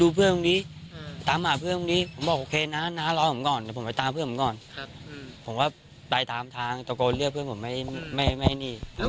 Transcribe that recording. แล้วเราไม่ได้บอกว่าช่วยเพื่อนผมด้วยเพื่อนผมว่ายน้ำไม่เป็น